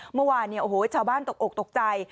เมื่อวานเนี่ยโอ้โหชาวบ้านตกอกตกใจ